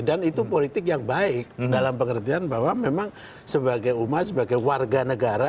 dan itu politik yang baik dalam pengertian bahwa memang sebagai umat sebagai warga negara